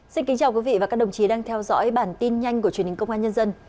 xin kính chào quý vị và các đồng chí đang theo dõi bản tin nhanh của truyền hình công an nhân dân